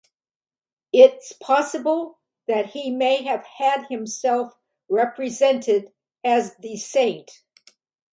It's possible that he may have had himself represented as the saint.